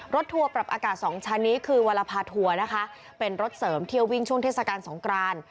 ทัวร์ปรับอากาศสองชั้นนี้คือวรภาทัวร์นะคะเป็นรถเสริมเที่ยววิ่งช่วงเทศกาลสงคราน